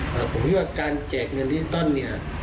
ผมคิดว่าการแจกเงินที่ต้อนเนี่ย